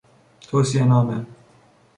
توصیهنامه